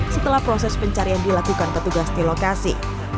setelah proses pencarian dilakukan petugas di lokasi